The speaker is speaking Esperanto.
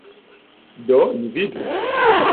Do ni vidu.